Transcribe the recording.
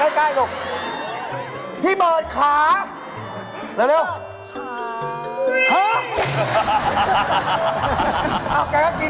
อีกนิดเดียวก็ถึงหัวหินแล้วนี่